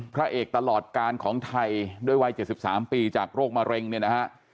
พระเอกตลอดการของไทยด้วยวัย๗๓ปีจากโรคมะเร็งเนี่ยนะฮะ